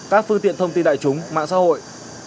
các phương tiện thông tin đại chúng mạng xã hội